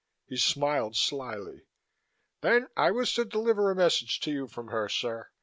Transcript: He smiled slyly. "Then I was to deliver a message to you from her, sir.